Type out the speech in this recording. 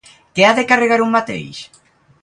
Què ha de carregar un mateix?